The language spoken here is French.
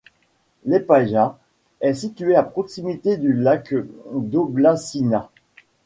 Lepaja est située à proximité du lac d'Oblačina.